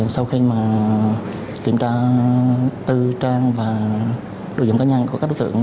sau khi kiểm tra tư trang và đồ dụng cá nhân của các đối tượng